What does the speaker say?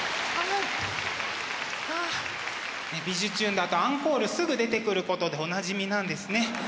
だとアンコールすぐ出てくることでおなじみなんですね。